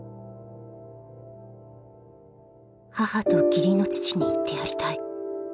「母と義理の父に言ってやりたい」